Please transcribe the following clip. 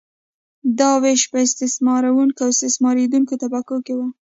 دا ویش په استثمارونکې او استثماریدونکې طبقو وو.